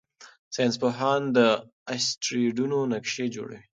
ساینسپوهان د اسټروېډونو نقشې جوړوي.